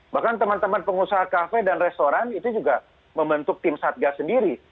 bahkan teman teman pengusaha kafe dan restoran itu juga membentuk tim satgas sendiri